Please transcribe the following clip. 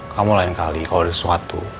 kamu lain kali kalau ada sesuatu